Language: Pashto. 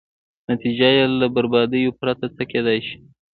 نتېجه یې له بربادیو پرته څه کېدای شي.